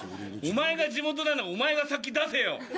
お前が地元なんだからお前が先出せよ。